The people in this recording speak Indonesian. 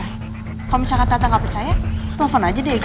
kalau misalkan tante gak percaya telfon aja dego